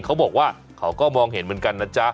เขาบอกว่าเขาก็มองเห็นเหมือนกันนะจ๊ะ